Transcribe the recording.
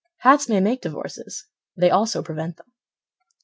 Hats may make divorces— They also prevent them.